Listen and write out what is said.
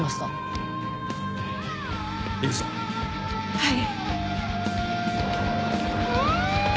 はい。